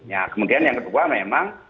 ya kemudian yang kedua memang